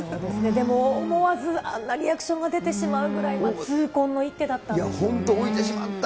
でも思わずあんなリアクションが出てしまうぐらい、本当、置いてしまった。